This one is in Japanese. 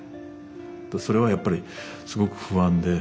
それはやっぱりすごく不安で。